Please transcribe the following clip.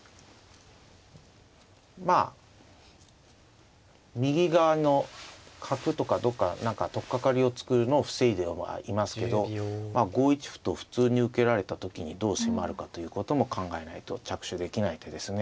まあ右側の角とかどっか何か取っかかりを作るのを防いではいますけど５一歩と普通に受けられた時にどう迫るかということも考えないと着手できない手ですね。